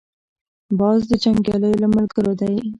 باز د جنګیالیو له ملګرو دی